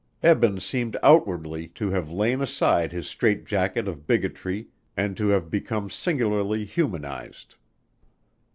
Eben seemed outwardly to have lain aside his strait jacket of bigotry and to have become singularly humanized.